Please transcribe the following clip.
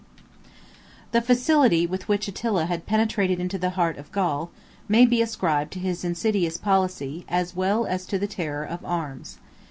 ] The facility with which Attila had penetrated into the heart of Gaul, may be ascribed to his insidious policy, as well as to the terror of his arms.